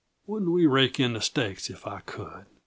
Wouldn't we rake in the stakes if I could?"